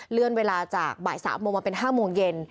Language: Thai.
เลื่อนเวลาจากบ่าย๓โมงมาเป็น๕โมงเย็น